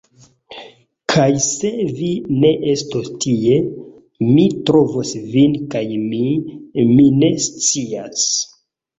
Kaj se vi ne estos tie, mi trovos vin kaj mi… mi ne scias.